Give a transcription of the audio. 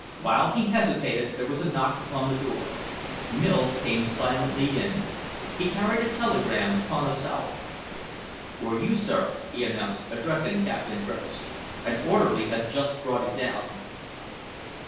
While he hesitated, there was a knock upon the door. Mills came silently in. He carried a telegram upon a salver. "For you, sir," he announced, addressing Captain Griffiths. "An orderly has just brought it down."